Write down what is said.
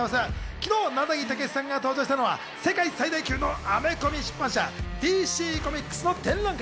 昨日、なだぎ武さんが登場したのは世界最大級のアメコミ出版社ＤＣコミックスの展覧会。